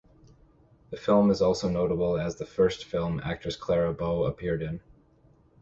The film is also notable as the first film actress Clara Bow appeared in.